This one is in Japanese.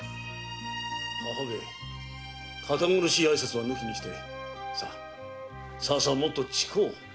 母上堅苦しい挨拶は抜きにしてささもっと近う。